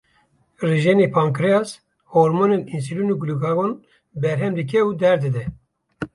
Rijenê pankreas, hormonên însulîn û glukagon berhem dike û der dide.